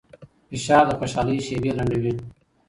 فشار د خوشحالۍ شېبې لنډوي.